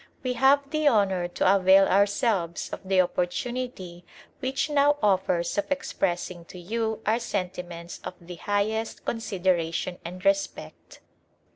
We have the honour to avail ourselves of the opportunity which now offers of expressing to you our sentiments of the highest consideration and respect.